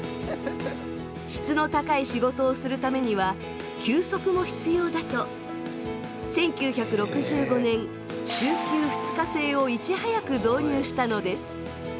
質の高い仕事をするためには休息も必要だと１９６５年週休２日制をいち早く導入したのです。